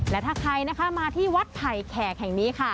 และถ้าใครนะคะมาที่วัดไผ่แขกแห่งนี้ค่ะ